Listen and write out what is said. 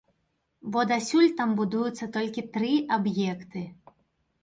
Бо дасюль там будуюцца толькі тры аб'екты.